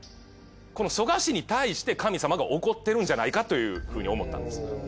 この蘇我氏に対して神様が怒ってるんじゃないかというふうに思ったんです。